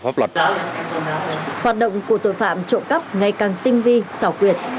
hoạt động của tội phạm trộm cắp ngày càng tinh vi xảo quyệt